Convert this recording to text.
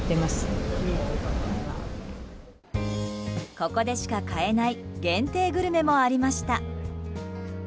ここでしか買えない限定グルメもありました。